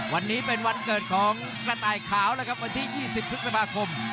วันนี้เป็นวันเกิดของกระต่ายขาวแล้วครับวันที่๒๐พฤษภาคม